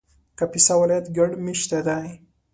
کاپیسا ولایت ګڼ مېشته دی